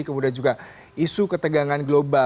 kemudian juga isu ketegangan global